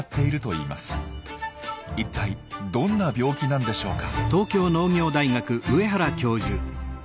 一体どんな病気なんでしょうか？